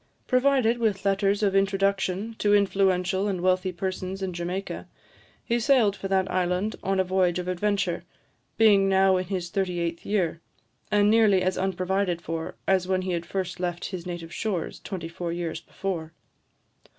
Provided with letters of introduction to influential and wealthy persons in Jamaica, he sailed for that island on a voyage of adventure; being now in his thirty eighth year, and nearly as unprovided for as when he had first left his native shores, twenty four years before.